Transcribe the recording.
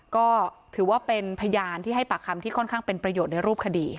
ก็ถือว่าเป็นพยานที่ให้ปากคำที่ค่อนข้างเป็นประโยชน์ในรูปคดี